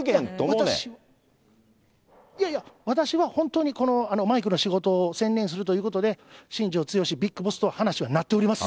いやいや、私は本当にこのマイクの仕事専念するということで、新庄剛志ビッグボスと話はなっております。